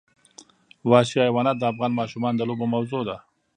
وحشي حیوانات د افغان ماشومانو د لوبو موضوع ده.